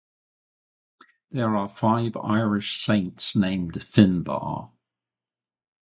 There are five Irish saints named Finnbarr.